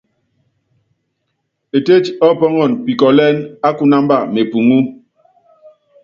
Etéti ɔ́pɔ́ŋɔn pikɔlɛ́n á kunamba mepuŋú.